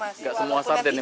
nggak semua sarden yang beli